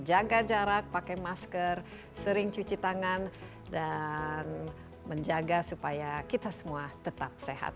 jaga jarak pakai masker sering cuci tangan dan menjaga supaya kita semua tetap sehat